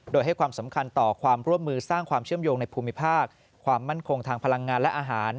โดยให้ความสำคัญต่อความร่วมมือสร้างความเชื่อมโยงในภูมิภาคความมั่นคงทางพลังงานและอาหาร